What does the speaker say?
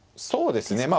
そうですね